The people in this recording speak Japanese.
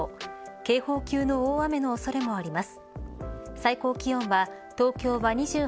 警報級の大雨の恐れもあります。